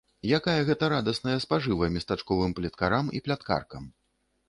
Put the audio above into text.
Якая гэта радасная спажыва местачковым плеткарам і пляткаркам!